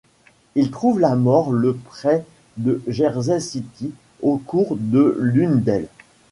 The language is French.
Il trouve la mort le près de Jersey City, au cours de l'une d'elles.